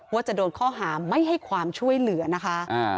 ว่าจะโดนข้อหาไม่ให้ความช่วยเหลือนะคะ